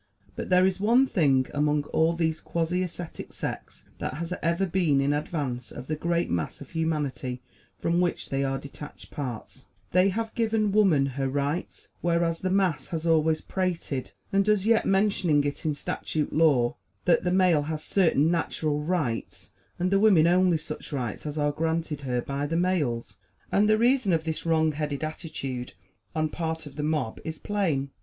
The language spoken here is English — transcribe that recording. But there is one thing among all these quasi ascetic sects that has ever been in advance of the great mass of humanity from which they are detached parts: they have given woman her rights; whereas, the mass has always prated, and does yet, mentioning it in statute law, that the male has certain natural "rights," and the women only such rights as are granted her by the males. And the reason of this wrong headed attitude on part of the mob is plain.